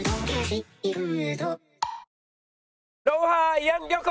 慰安旅行！